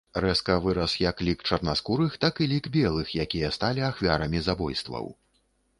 Рэзка вырас як лік чарнаскурых, так і лік белых, якія сталі ахвярамі забойстваў.